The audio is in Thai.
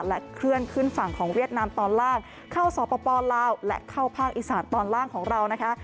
เคลื่อนขึ้นฝั่งของเวียดนามตอนล่างเข้าสปลาวและเข้าภาคอีสานตอนล่างของเรานะคะ